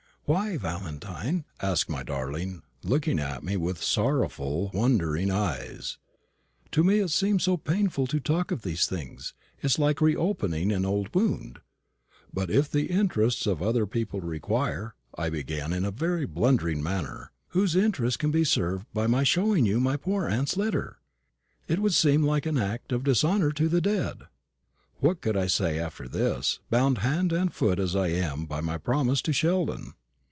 "Why, Valentine?" asked my darling, looking at me with sorrowful, wondering eyes, "To me it seems so painful to talk of these things: it is like reopening an old wound." "But if the interests of other people require " I began, in a very blundering manner. "Whose interest can be served by my showing you my poor aunt's letter? It would seem like an act of dishonour to the dead." What could I say after this bound hand and foot as I am by my promise to Sheldon?